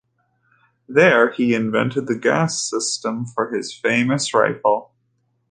There, he invented the gas system for his famous rifle.